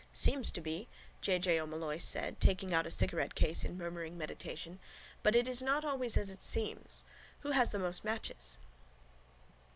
—Seems to be, J. J. O'Molloy said, taking out a cigarettecase in murmuring meditation, but it is not always as it seems. Who has the most matches?